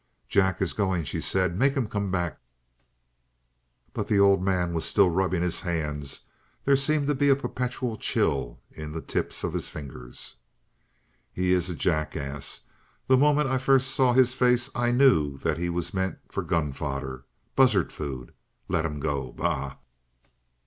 "Jack is going," she said. "Make him come back!" But the old man was still rubbing his hands; there seemed to be a perpetual chill in the tips of the fingers. "He is a jackass. The moment I first saw his face I knew that he was meant for gun fodder buzzard food! Let him go. Bah!"